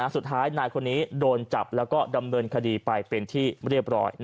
สุดท้ายนายคนนี้โดนจับแล้วก็ดำเนินคดีไปเป็นที่เรียบร้อย